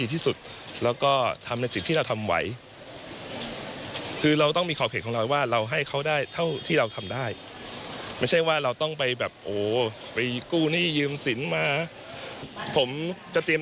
น้องเขาจะต้องมีค่าใช้จ่ายเท่าไหร่อย่างนี้